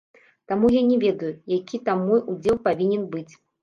Таму я не ведаю, які там мой удзел павінен быць?!